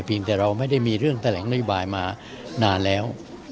เพียงแต่มาไม่ได้มีเรื่องแชลงนุยบายมานานแล้ว